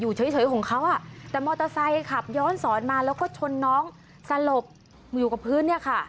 อยู่เฉยของเขาแต่มอเตอร์ไซ่ขับย้อนสอนแล้วเค้าชนน้องสรบอยู่กับพื้น